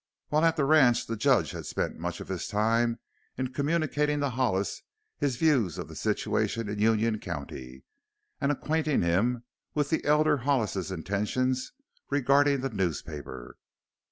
While at the ranch the Judge had spent much of his time in communicating to Hollis his views of the situation in Union County and in acquainting him with the elder Hollis's intentions regarding the newspaper.